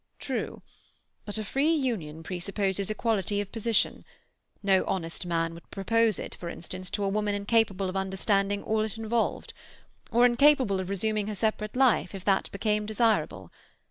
"True. But a free union presupposes equality of position. No honest man would propose it, for instance, to a woman incapable of understanding all it involved, or incapable of resuming her separate life if that became desirable.